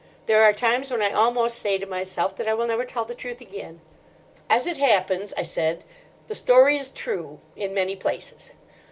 There are times when I almost say to myself that I will never tell the truth again. "As it happens," I said, "the story is true, in many places.